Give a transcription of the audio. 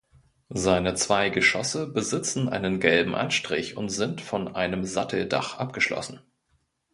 Seine zwei Geschosse besitzen einen gelben Anstrich und sind von einem Satteldach abgeschlossen.